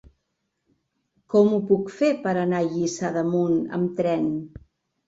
Com ho puc fer per anar a Lliçà d'Amunt amb tren?